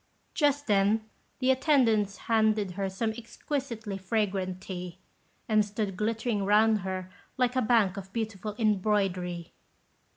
Just then the attendants handed her some exquisitely fragrant tea, and stood glittering round her like a bank of beautiful embroidery.